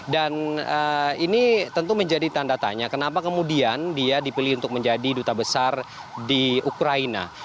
dan ini tentu menjadi tanda tanya kenapa kemudian dia dipilih untuk menjadi duta besar di ukraina